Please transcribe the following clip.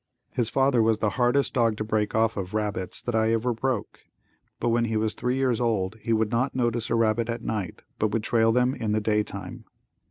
His father was the hardest dog to break off of rabbits that I ever broke, but when he was three years old he would not notice a rabbit at night but would trail them in the day time.